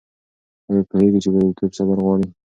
آیا پوهېږې چې بریالیتوب صبر غواړي؟